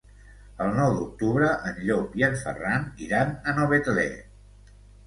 El nou d'octubre en Llop i en Ferran iran a Novetlè.